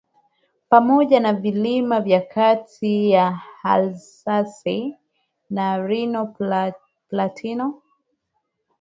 Pamoja na vilima vya kati ya Alsasi na Rhine Platino